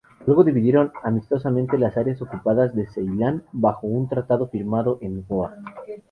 Luego dividieron amistosamente las áreas ocupadas de Ceilán bajo un tratado firmado en Goa.